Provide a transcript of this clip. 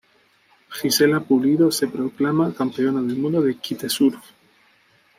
Gisela Pulido se proclama campeona del mundo de Kitesurf.